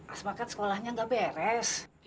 asma kan sekolahnya gak beres